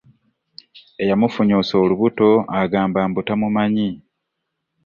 Eyamufunyisa olubuto agamba mbu tamumanyi.